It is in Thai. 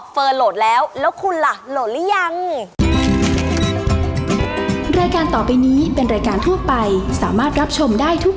โหลดแล้วแล้วคุณล่ะโหลดหรือยัง